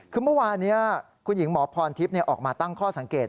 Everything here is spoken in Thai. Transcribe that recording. คือเมื่อวานี้คุณหญิงหมอพรทิพย์ออกมาตั้งข้อสังเกต